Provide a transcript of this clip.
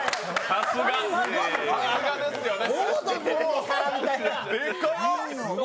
さすが、さすがですよね。